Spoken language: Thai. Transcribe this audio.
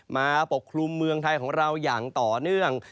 ปกคลุมเมืองไทยของเราอย่างต่อเนื่อง